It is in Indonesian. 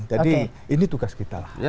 jadi ini tugas kita lah